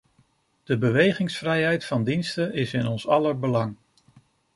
De bewegingsvrijheid van diensten is in ons aller belang.